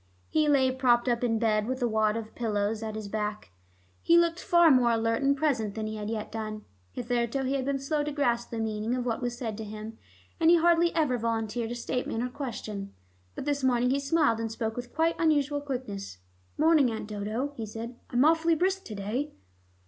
He lay propped up in bed, with a wad of pillows at his back. He looked far more alert and present than he had yet done. Hitherto, he had been slow to grasp the meaning of what was said to him, and he hardly ever volunteered a statement or question, but this morning he smiled and spoke with quite unusual quickness. "Morning, Aunt Dodo," he said. "I'm awfully brisk to day."